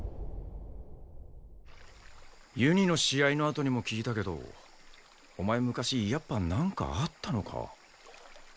ユニの試合のあとにも聞いたけどお前昔やっぱなんかあったのか？